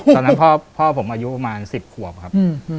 ตอนนั้นพ่อผมอายุประมาณ๑๐ขวบครับ